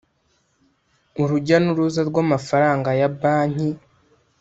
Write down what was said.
Urujya n uruza rw amafaranga ya banki